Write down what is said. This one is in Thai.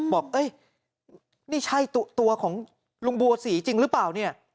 บอกนี่ใช่ตัวของลุงบัวศรีจริงหรือเปล่าเนี่ย